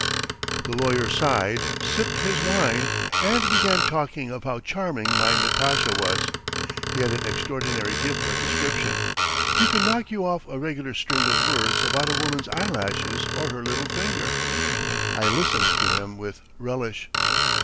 "The lawyer sighed, sipped his wine, and began talking of how charming my Natasha was. He had an extraordinary gift of description. He could knock you off a regular string of words about a woman's eyelashes or her little finger. I listened to him with relish.